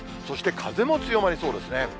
そして風も強まりそうですね。